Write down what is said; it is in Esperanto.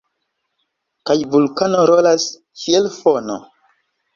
Kaj vulkano rolas kiel fono.